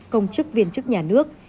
công chức viên chức nhà nước